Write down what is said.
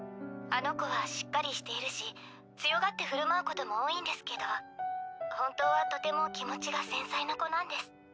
あの子はしっかりしているし強がって振る舞うことも多いんですけど本当はとても気持ちが繊細な子なんです。